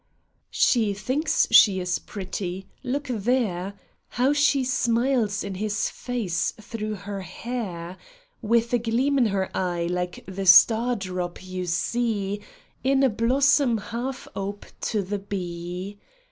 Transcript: HE thinks she is pretty — look there ! How she smiles in his face through her hair, With a gleam in her eye like the star drop you see In a blossom half ope to the bee.